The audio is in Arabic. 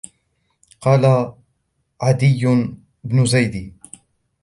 وَقَالَ عَدِيُّ بْنُ زَيْدٍ